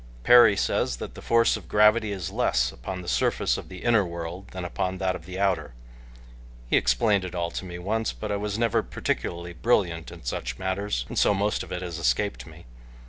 Perry says that the force of gravity is less upon the surface of the inner world than upon that of the outer. He explained it all to me once, but I was never particularly brilliant in such matters and so most of it has escaped me.